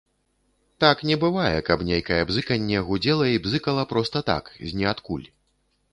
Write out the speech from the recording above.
Так не бывае, каб нейкае бзыканне гудзела і бзыкала проста так, з ніадкуль.